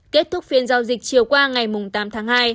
kết thúc phiên giao dịch chiều qua ngày tám tháng hai